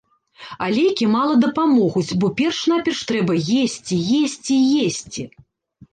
А лекі мала дапамогуць, бо перш-наперш трэба есці, есці, есці!